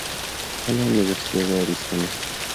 Fue a la universidad de Arizona.